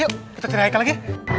yuk kita cari haikal lagi